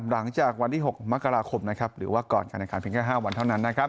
หลังจากวันที่๖มคหรือว่าก่อนการแข่งขันเพียง๕วันเท่านั้น